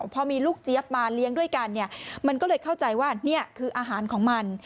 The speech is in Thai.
พอมีลูกเจี๊ยบมาเลี้ยงด้วยกันมันก็เลยเข้าใจว่านี่คืออาหารของมัน